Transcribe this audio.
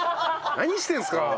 何してるんですか？